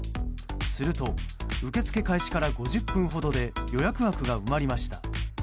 すると、受け付け開始から５０分ほどで予約枠が埋まりました。